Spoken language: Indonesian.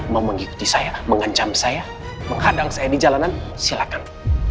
mau mengikuti saya mengancam saya menghadang saya di jalanan silakan